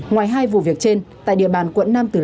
ngoài hai vụ việc trên tại địa bàn quận nam tử lâm